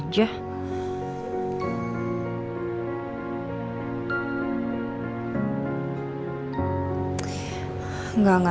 enggak enggak enggak